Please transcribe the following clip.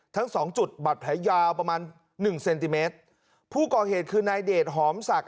ทั้งสองจุดบัตรแผลยาวประมาณหนึ่งเซนติเมตรผู้ก่อเหตุคือนายเดชหอมศักดิ